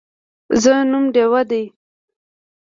زه نوم ډیوه دی